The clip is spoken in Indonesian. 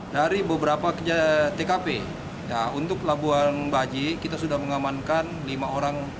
dari beberapa tkp untuk labuan baji kita sudah mengamankan lima orang